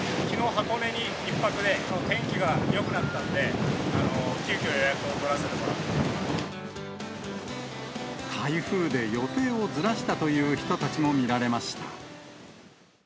箱根に１泊で、天気がよくなったんで、急きょ、台風で予定をずらしたという人たちも見られました。